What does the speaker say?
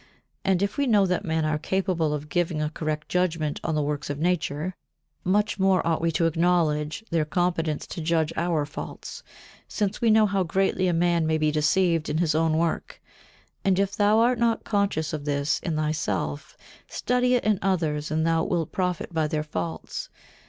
And if we know that men are capable of giving a correct judgement on the works of nature, much more ought we to acknowledge their competence to judge our faults, since we know how greatly a man may be deceived in his own work; and if thou art not conscious of this in thyself, study it in others and thou wilt profit by their faults.